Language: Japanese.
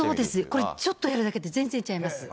これ、ちょっとやるだけで全然ちゃいます。